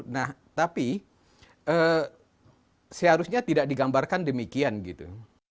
nah tapi seharusnya tidak digambarkan demikian gitu